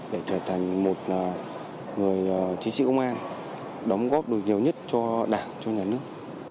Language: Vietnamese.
để trở thành một người chiến sĩ công an đóng góp được nhiều nhất cho đảng cho nhà nước